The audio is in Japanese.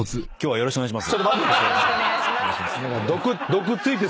よろしくお願いします。